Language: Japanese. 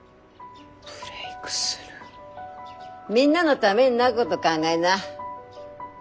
みんなのためになっこど考えな。